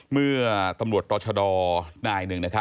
เมื่อตำรวจตอชดหน้าอีกหนึ่ง